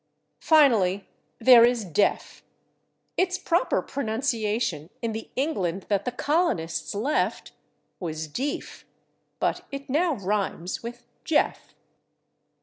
Finally, there is /deaf/. Its proper pronunciation, in the England that the colonists left, was /deef/, but it now rhymes with /Jeff